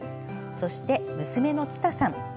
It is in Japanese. そして、娘のつたさん。